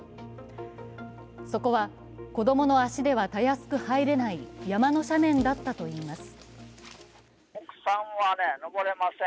そこは、子供の足ではたやすく入れない山の斜面だったといいます。